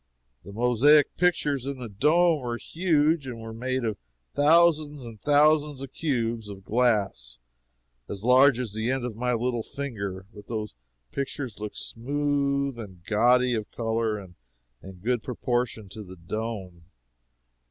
The mosaic pictures in the dome were huge, and were made of thousands and thousands of cubes of glass as large as the end of my little finger, but those pictures looked smooth, and gaudy of color, and in good proportion to the dome.